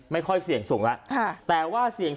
ไม่ค่อยเสี่ยงสูงแล้ว